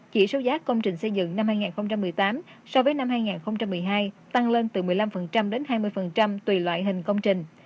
chỉ số giá công trình xây dựng năm hai nghìn một mươi tám so với năm hai nghìn một mươi hai tăng lên từ một mươi năm đến hai mươi tùy loại hình công trình